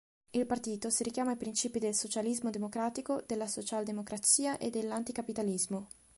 Il partito si richiama ai principi del socialismo democratico, della Socialdemocrazia e dell'anticapitalismo.